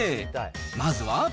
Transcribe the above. まずは。